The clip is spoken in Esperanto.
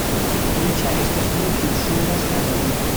Riĉa estas tiu, kiu ŝuldas al neniu.